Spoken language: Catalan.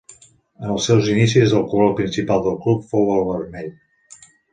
En els seus inicis el color principal del club fou el vermell.